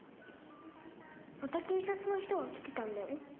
また警察の人が来てたんだよ。